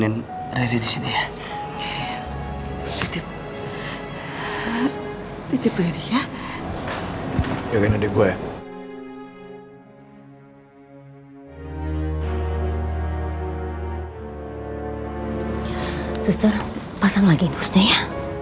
nanti pasang lagi busnya ya